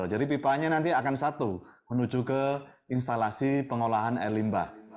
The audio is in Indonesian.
jadi pipanya nanti akan satu menuju ke instalasi pengelolaan air limbah